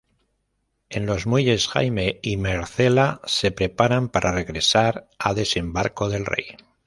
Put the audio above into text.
En los muelles, Jaime y Myrcella se preparan para regresar a Desembarco del Rey.